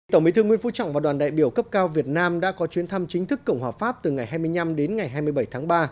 tổng bí thư nguyễn phú trọng và đoàn đại biểu cấp cao việt nam đã có chuyến thăm chính thức cộng hòa pháp từ ngày hai mươi năm đến ngày hai mươi bảy tháng ba